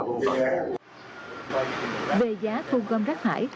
về giá thu gom rác thải